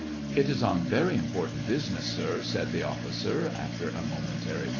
'' It is on very important business, sir," said the officer, after a momentary pause.